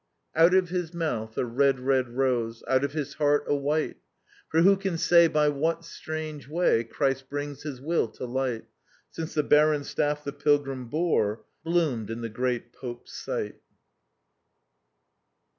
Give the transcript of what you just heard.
Out of his mouth a red, red rose! Out of his heart a white! For who can say by what strange way Christ brings his will to light, Since the barren staff the pilgrim bore Bloomed in the great Pope's sight.